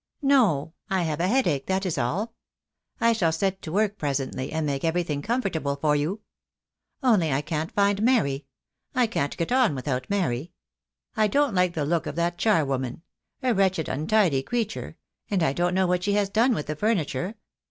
"No. I have a headache, that is all. I shall set to work presently and make everything comfortable for you. Only I can't find Mary — I can't get on without Mary. I don't like the look of that charwoman — a wretched, untidy creature — and I don't know what she has done with the furniture.